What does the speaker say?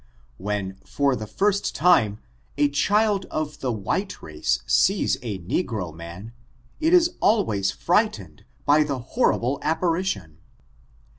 IWhen, for the first time, a child of the white race sees a negro man, it is always frightened by the hor ible apparition.